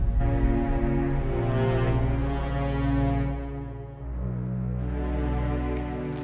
jauh dari rumah